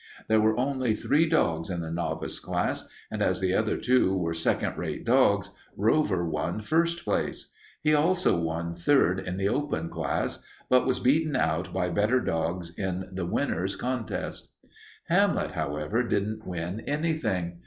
There were only three dogs in the novice class, and as the other two were second rate dogs, Rover won first place. He also won third in the open class, but was beaten out by better dogs in the winners contest. [Illustration: Old English Sheepdog] Hamlet, however, didn't win anything.